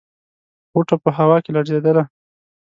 غوټه په هوا کې لړزېدله.